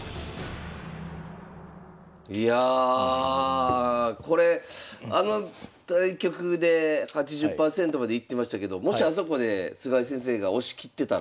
いやあこれあの対局で８０％までいってましたけどもしあそこで菅井先生が押し切ってたら。